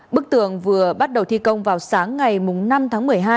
bức tường vừa bắt đầu thi công vào sáng ngày năm tháng một mươi hai